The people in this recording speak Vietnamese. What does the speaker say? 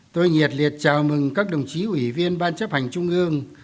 tôi nhiệt liệt chào mừng các đồng chí ủy viên ban chấp hành trung ương